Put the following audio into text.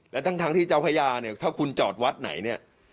และทั้งที่เจ้าพญาถ้าคุณจอดวัดไหน